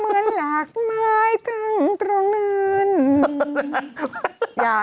เธอเธอเหมือนหลากไม้ทั้งตรงนั้น